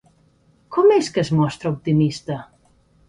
Com és que es mostra optimista?